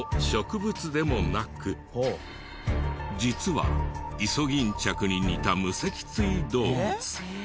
実はイソギンチャクに似た無脊椎動物。